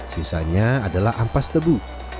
sisanya adalah ampas tebu